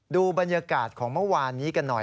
ดูบรรยากาศของเมื่อวานนี้กันหน่อย